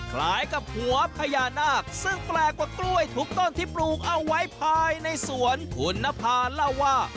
คล้ายกับหัวพญานาคซึ่งแปลกกว่ากล้วยทุกต้นที่ปลูกเอาไว้ภายในสวนคุณนภาเล่าว่า